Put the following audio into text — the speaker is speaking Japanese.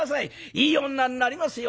いい女になりますよ！」。